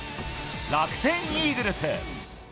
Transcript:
楽天イーグルス。